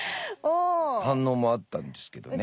反応もあったんですけどね。